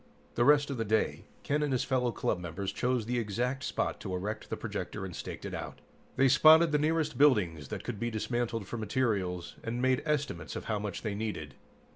The rest of the day, Ken and his fellow club members chose the exact spot to erect the projector and staked it out. They spotted the nearest buildings that could be dismantled for materials, and made estimates of how much they needed.